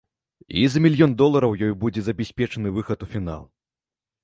І за мільён долараў ёй будзе забяспечаны выхад у фінал.